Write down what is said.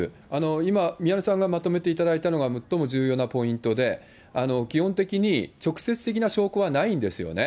今、宮根さんがまとめていただいたのが最も重要なポイントで、基本的に直接的な証拠はないんですよね。